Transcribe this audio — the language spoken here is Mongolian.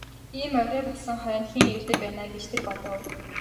Ийм орой болсон хойно хэн ирдэг байна аа гэж тэр бодов.